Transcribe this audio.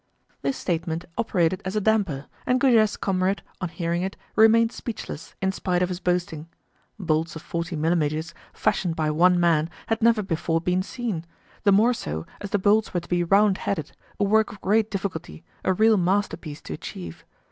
This statement operated as a damper, and Goujet's comrade, on hearing it, remained speechless, in spite of his boasting. Bolts of forty millimetres fashioned by one man had never before been seen; the more so as the bolts were to be round headed, a work of great difficulty, a real masterpiece to achieve.